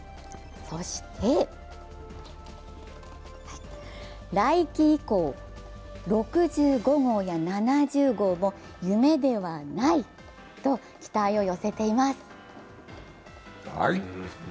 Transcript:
そして、来季以降、６５号や７０号も夢ではないと期待を寄せています。